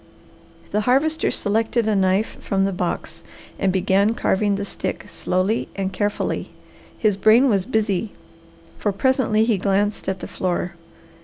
The Harvester selected a knife from the box and began carving the stick slowly and carefully. His brain was busy, for presently he glanced at the floor.